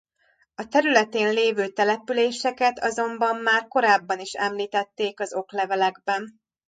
A területén lévő településeket azonban már korábban is említették az oklevelekben.